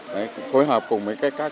đấy phối hợp cùng với các tổ công tác